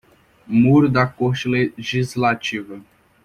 Muro da Corte Legislativa